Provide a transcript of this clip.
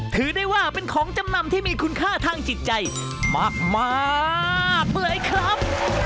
ถือได้ว่าเป็นของจำนำที่มีคุณค่าทางจิตใจมากเปื่อยครับ